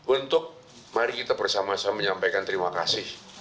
untuk mari kita bersama sama menyampaikan terima kasih